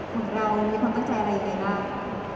ของเรามีความตั้งใจอะไรในหลัก